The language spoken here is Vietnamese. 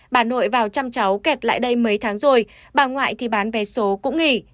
bà nội vào chăm cháu kẹt lại đây mấy tháng rồi bà ngoại thì bán vé số cũng nghỉ